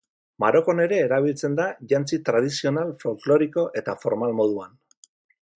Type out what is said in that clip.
Marokon ere erabiltzen da, jantzi tradizional, folkloriko eta formal moduan.